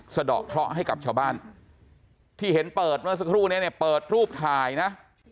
สะดอกเคราะห์ให้กับชาวบ้านที่เห็นเปิดเมื่อสักครู่นี้เนี่ยเปิดรูปถ่ายนะ